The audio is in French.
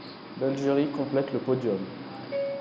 L'Algérie complète le podium.